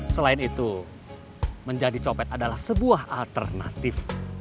selain itu menjadi copet adalah sebuah alternatif